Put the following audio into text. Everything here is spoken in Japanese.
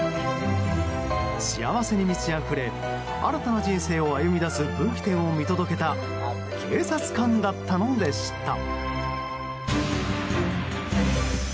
幸せに満ちあふれ新たな人生を歩み出す分岐点を見届けた警察官だったのでした。